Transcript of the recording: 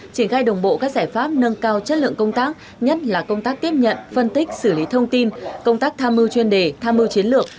triển khai đồng bộ các giải pháp nâng cao chất lượng công tác nhất là công tác tiếp nhận phân tích xử lý thông tin công tác tham mưu chuyên đề tham mưu chiến lược